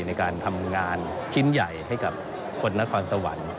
ในการทำงานชิ้นใหญ่ให้กับคนนครสวรรค์